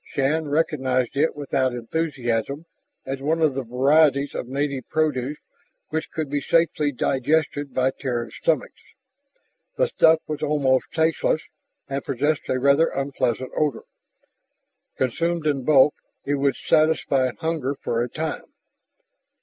Shann recognized it without enthusiasm as one of the varieties of native produce which could be safely digested by Terran stomachs. The stuff was almost tasteless and possessed a rather unpleasant odor. Consumed in bulk it would satisfy hunger for a time.